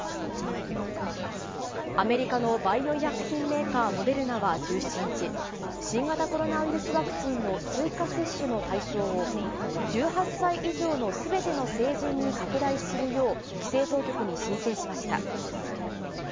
アメリカのバイオ医薬品メーカー、モデルナは１７日、新型コロナウイルスワクチンの追加接種の対象を、１８歳以上のすべての成人に拡大するよう、規制当局に申請しました。